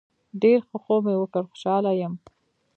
ډیر ښه خوب مې وکړ خوشحاله یم